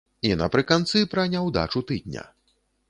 І напрыканцы пра няўдачу тыдня.